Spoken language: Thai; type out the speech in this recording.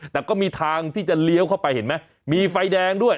แต่ก็มีทางที่จะเลี้ยวเข้าไปเห็นไหมมีไฟแดงด้วย